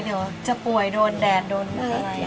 เดี๋ยวจะป่วยโดนแดดโดนอะไร